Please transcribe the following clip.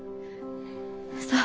そう。